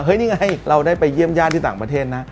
นี่ไงเราได้ไปเยี่ยมญาติที่ต่างประเทศนะ